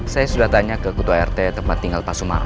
saya sudah tanya ke ketua rt tempat tinggal pak sumar